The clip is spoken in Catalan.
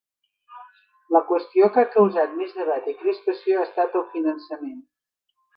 La qüestió que ha causat més debat i crispació ha estat el finançament.